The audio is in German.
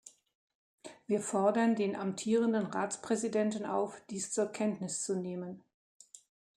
Wir fordern den amtierenden Ratspräsidenten auf, dies zur Kenntnis zu nehmen.